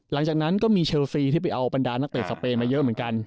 หลังจากนั้นก็มีเชลซีที่ไปเอาบรรดานักเตะสเปนมาเยอะเหมือนกัน